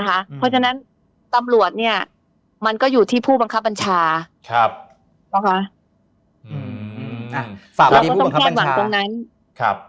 คะเพราะฉะนั้นตำรวจเนี่ยมันก็อยู่ที่ผู้บังคับบัญชาครับ